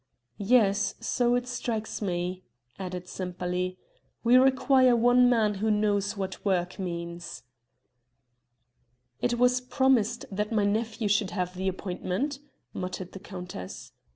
"Yes, so it strikes me," added Sempaly; "we require one man who knows what work means." "I was promised that my nephew should have the appointment," muttered the countess.